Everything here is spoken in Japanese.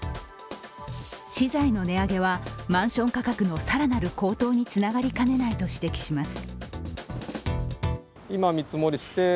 資材の値上げはマンション価格の更なる高騰につながりかねないと指摘します。